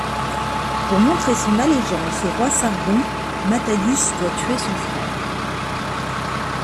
Pour montrer son allégeance au roi Sargon, Mathayus doit tuer son frère.